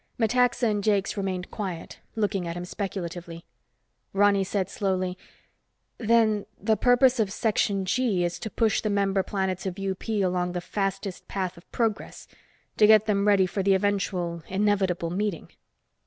Metaxa and Jakes remained quiet, looking at him speculatively. Ronny said slowly, "Then the purpose of Section G is to push the member planets of UP along the fastest path of progress, to get them ready for the eventual, inevitable meeting."